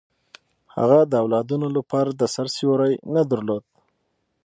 هغه د اولادونو لپاره د سر سیوری نه درلود.